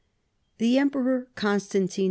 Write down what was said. * The Emperor Constantine Y.